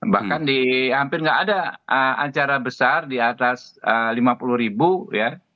bahkan di hampir nggak ada acara besar di atas lima puluh ribu ya